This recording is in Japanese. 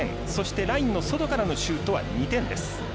ラインの外からのシュートは２点です。